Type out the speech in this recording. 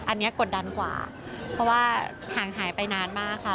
อันนี้กดดันกว่าเพราะว่าห่างหายไปนานมากค่ะ